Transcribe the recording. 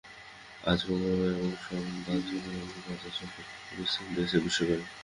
আজ মঙ্গলবার এক সংবাদ সম্মেলনে বাজেট সম্পর্কে এই বিশ্লেষণ দিয়েছে বিশ্বব্যাংক।